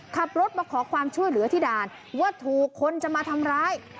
ขับรถมาขอความช่วยเหลือที่ด่านว่าถูกคนจะมาทำร้าย